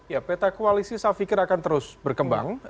ya peta koalisi saya pikir akan terus berkembang